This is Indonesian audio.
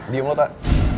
diam lo tak